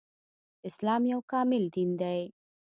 اسلام يو کامل دين دی